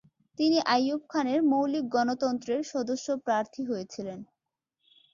তিনি আইয়ূব খানের ‘মৌলিক গণতন্ত্রের’ সদস্য প্রার্থী হয়েছিলেন।